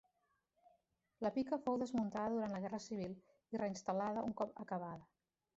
La pica fou desmuntada durant la Guerra Civil i reinstal·lada un cop acabada.